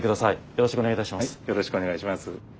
よろしくお願いします。